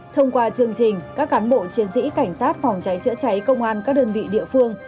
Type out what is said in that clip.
thông qua chương trình các cán bộ chiến sĩ cảnh sát phòng cháy chữa cháy công an các đơn vị địa phương